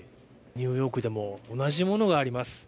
ニューヨークでも同じものがあります。